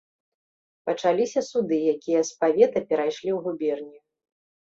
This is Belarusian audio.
Пачаліся суды, якія з павета перайшлі ў губерню.